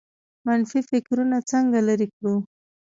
منفي فکرونه څنګه لرې کړو؟